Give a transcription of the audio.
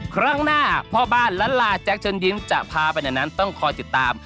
ครั้งหน้าพ่อบ้านละลาแจ๊คเชิญยิ้มจะพาไปอย่างนั้นต้องคอยติดตาม